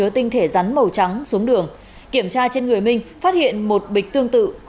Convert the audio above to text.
tinh thể rắn màu trắng xuống đường kiểm tra trên người minh phát hiện một bịch tương tự